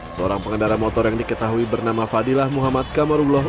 seorang pengendara motor yang diketahui bernama fadilah muhammad kamarullah